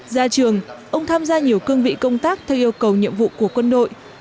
ra trường ông tham gia nhiều cương vị công tác theo yêu cầu nhiệm vụ của quân đội